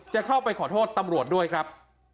จะเข้าไปขอโทษตำรวจด้วยครับ